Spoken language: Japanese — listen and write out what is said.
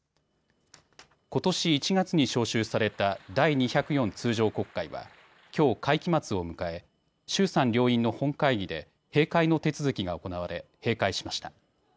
ことし１月に召集された第２０４通常国会はきょう会期末を迎え衆参両院の本会議で閉会の手続きが行われ閉会しました。